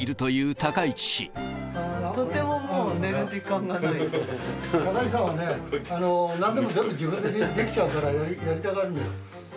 高市さんはね、なんでも全部自分でできちゃうからやりたがるの。